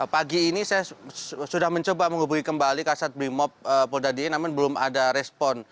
pagi ini saya sudah mencoba menghubungi kembali kasus brimopolda dy namun belum ada respon